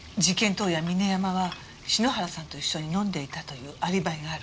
当夜峰山は篠原さんと一緒に飲んでいたというアリバイがある。